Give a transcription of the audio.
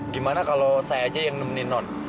gimana kalau saya aja yang nemenin non